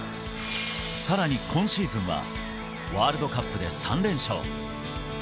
さらに今シーズンはワールドカップで３連勝。